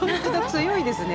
強いですね。